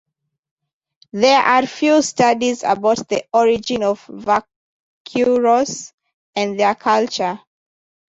There are few studies about the origin of vaqueiros and their culture.